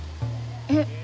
えっ？